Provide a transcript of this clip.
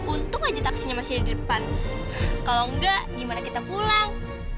untung aja taksinya masih ada di depan kalau enggak gimana kita pulang